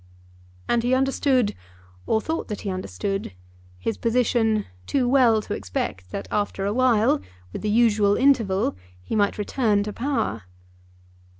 And he understood, or thought that he understood, his position too well to expect that after a while, with the usual interval, he might return to power.